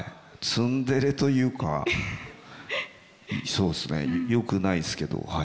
ツンデレというかそうですねよくないですけどはい。